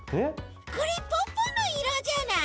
これポッポのいろじゃない？